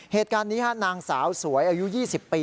เหตุการณ์นี้นางสาวสวยอายุ๒๐ปี